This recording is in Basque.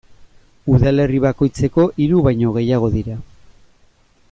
Udalerri bakoitzeko hiru baino gehiago dira.